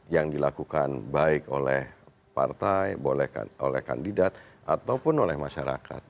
yang dilakukan baik oleh partai boleh oleh kandidat ataupun oleh masyarakat